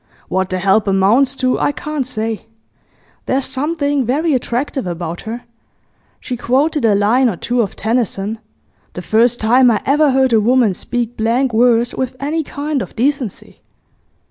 What the help amounts to I can't say. There's something very attractive about her. She quoted a line or two of Tennyson; the first time I ever heard a woman speak blank verse with any kind of decency.